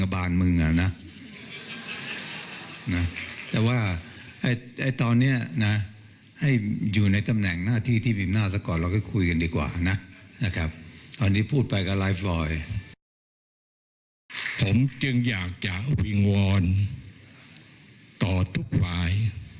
ผมจึงอยากจะวิงวอนต่อทุกฝ่าย